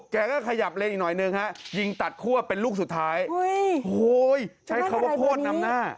แกก็ขยับเล็งอีกหน่อยหนึ่งฮะยิงตัดคั่วเป็นลูกสุดท้ายโอ้โหใช้คำว่าโคตรนำหน้า